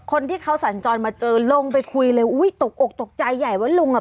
คนที่เขาสัญจรมาเจอลงไปคุยเลยอุ้ยตกอกตกใจใหญ่ว่าลุงอ่ะ